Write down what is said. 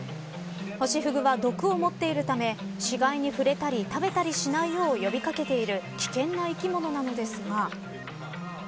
ホシフグは毒を持っているため死骸に触れたり食べたりしないよう呼び掛けている危険な生き物なのですが。